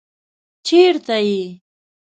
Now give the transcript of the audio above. چېرته يې؟